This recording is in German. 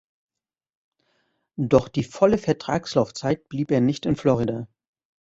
Doch die volle Vertragslaufzeit blieb er nicht in Florida.